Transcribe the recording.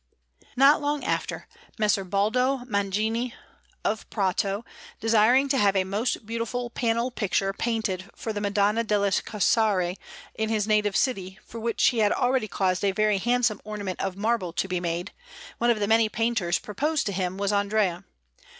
Not long after, Messer Baldo Magini of Prato desiring to have a most beautiful panel picture painted for the Madonna delle Carcere in his native city, for which he had already caused a very handsome ornament of marble to be made, one of the many painters proposed to him was Andrea.